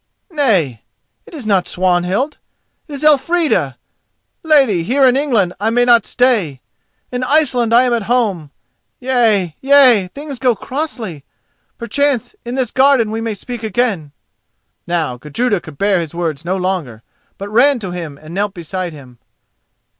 Nay, it is not Swanhild, it is Elfrida; lady, here in England I may not stay. In Iceland I am at home. Yea, yea, things go crossly; perchance in this garden we may speak again!" Now Gudruda could bear his words no longer, bur ran to him and knelt beside him.